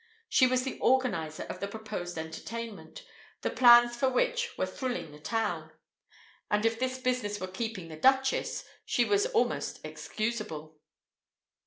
She was the organizer of the proposed entertainment, the plans for which were thrilling the town; and if this business were keeping the Duchess, she was almost excusable.